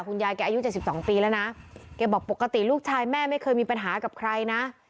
ยายแกอายุ๗๒ปีแล้วนะแกบอกปกติลูกชายแม่ไม่เคยมีปัญหากับใครนะ